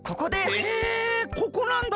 へえここなんだ。